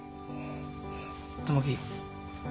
友樹